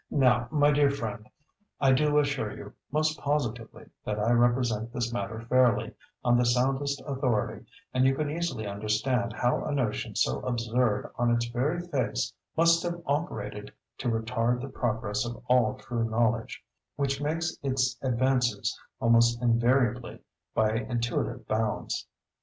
Now, my dear friend, I do assure you, most positively, that I represent this matter fairly, on the soundest authority; and you can easily understand how a notion so absurd on its very face must have operated to retard the progress of all true knowledge—which makes its advances almost invariably by intuitive bounds.